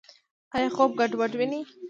ایا خوب ګډوډ وینئ؟